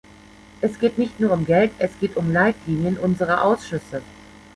Es geht nicht nur um Geld, es geht um Leitlinien unserer Ausschüsse.